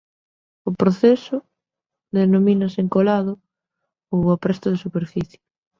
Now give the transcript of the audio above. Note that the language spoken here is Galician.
O proceso denomínase encolado ou apresto de superficie.